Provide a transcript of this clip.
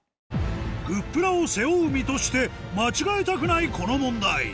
「＃グップラ」を背負う身として間違えたくないこの問題